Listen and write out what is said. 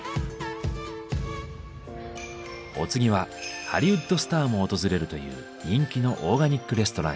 お次はハリウッドスターも訪れるという人気のオーガニックレストランへ。